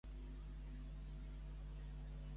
Com hi va arribar Íam?